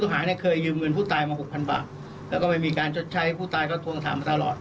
สำเกิดแค่๖๐๐๐บาทแล้วขออีกเพิ่ม